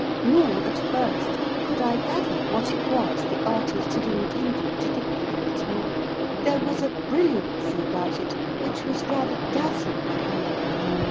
Nor, at first, could I gather what it was the artist had intended to depict, there was a brilliancy about it which was rather dazzling.